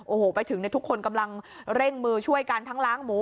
โอ้โหไปถึงทุกคนกำลังเร่งมือช่วยกันทั้งล้างหมู